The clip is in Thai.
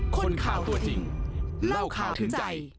คนข่าวตัวจริงเล่าข่าวถึงใจ